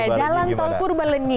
oke jalan tol purbaleni